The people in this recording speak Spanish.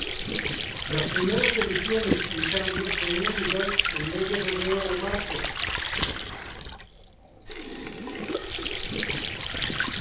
Las primeras ediciones, en cambio, tenían lugar el mes de febrero o marzo.